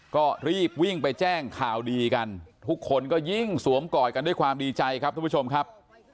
ก็รีบวิ่งไปแจ้งข่าวดีกันทุกคนก็ยิ่งสวมกอดกันด้วยความดีใจครับทุกผู้ชมครับ